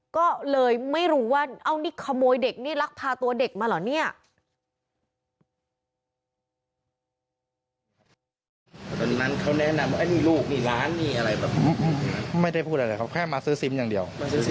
ก็เลยไม่รู้ว่าเอานี่ขโมยเด็กนี่ลักพาตัวเด็กมาเหรอเนี่ย